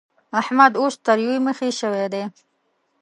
احمد اوس تريو مخی شوی دی.